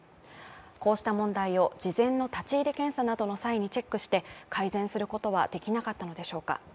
こうした問題を事前の立入検査などの際にチェックして改善することはできなかったのでしょうか。